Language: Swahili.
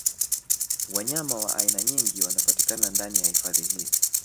Wanyama wa aina nyingi wanapatikana ndani ya hifadhi hii